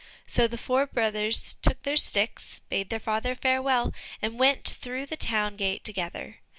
So the four brothers took their sticks, bade their father farewell, and went through the town gate together.